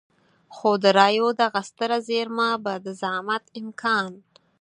خو د رايو دغه ستره زېرمه به د زعامت امکان.